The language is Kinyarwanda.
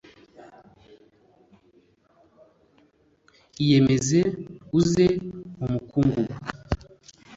iyemeze, uze mu mukungugu.